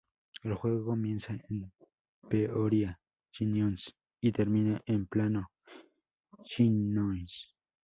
El juego comienza en Peoria, Illinois y termina en Plano, Illinois.